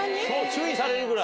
注意されるぐらい？